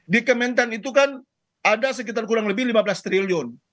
di kementan itu kan ada sekitar kurang lebih lima belas triliun